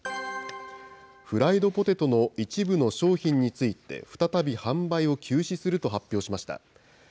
フライドポテトの一部の商品について再び販売を休止すると発表しました。